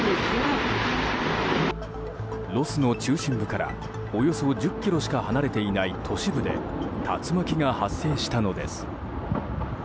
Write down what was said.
ロスの中心部からおよそ１０ｋｍしか離れていない都市部で竜巻が発生したのです。